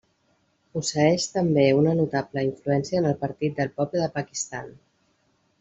Posseïx també una notable influència en el Partit del Poble de Pakistan.